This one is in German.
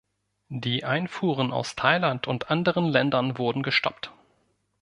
Die Einfuhren aus Thailand und anderen Ländern wurden gestoppt.